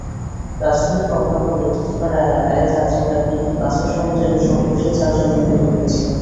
রাজধানীর কমলাপুরের টিটিপাড়া এলাকায় যাত্রীবাহী একটি বাসের সঙ্গে ট্রেনের সংঘর্ষে চারজন নিহত হয়েছেন।